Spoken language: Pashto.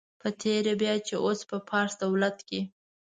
په تېره بیا چې اوس په فارس دولت کې.